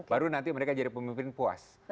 baru nanti mereka jadi pemimpin puas